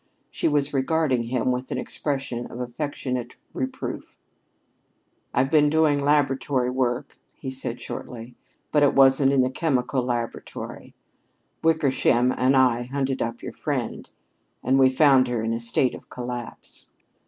She was regarding him with an expression of affectionate reproof. "I've been doing laboratory work," he said shortly, "but it wasn't in the chemical laboratory. Wickersham and I hunted up your friend and we found her in a state of collapse."